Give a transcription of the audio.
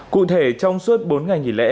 cụ thể trong suốt bốn ngày nghỉ lễ